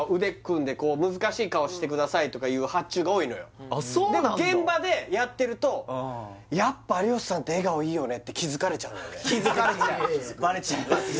んでこう難しい顔してくださいとかいう発注が多いのよでも現場でやってるとやっぱ有吉さんって笑顔いいよねって気づかれちゃうのよねバレちゃいますね